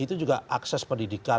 itu juga akses pendidikan